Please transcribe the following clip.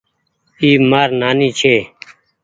اي مآر نآني ڇي۔